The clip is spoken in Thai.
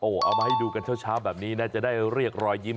เอามาให้ดูกันเช้าแบบนี้นะจะได้เรียกรอยยิ้ม